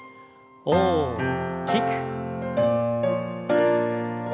大きく。